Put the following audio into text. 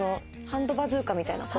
ハンドバズーカみたいな。